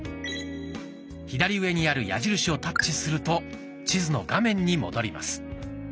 左上にある矢印をタッチすると地図の画面に戻ります。